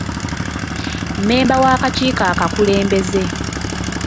Mmemba w'akakiiko akakulembeze.